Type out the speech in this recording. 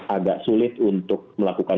agak sulit untuk melakukan